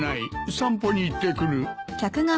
散歩に行ってくる。